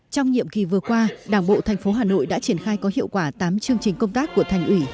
trong nhiệm kỳ vừa qua đảng bộ thành phố hà nội đã triển khai có hiệu quả tám chương trình công tác của thành ủy